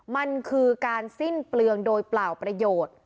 มันคือการสิ้นเปลืองโดยเปล่าประโยชน์